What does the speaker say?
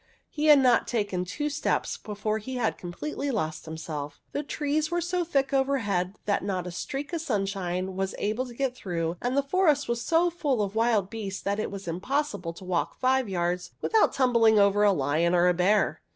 He had not taken two steps before he had completely lost himself. The trees were so thick overhead that not a streak of sunshine was able to get through, and the forest was so full of wild beasts that it was impossible to walk five yards without tumbling over a lion or a bear.